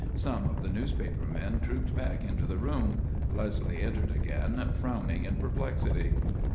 Some of the newspaper men trooped back into the room; Leslie entered again, frowning in perplexity.